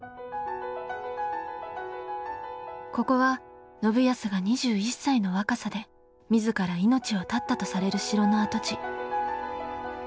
ここは信康が２１歳の若さで自ら命を絶ったとされる城の跡地。